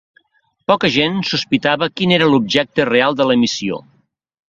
Poca gent sospitava quin era l'objecte real de la missió.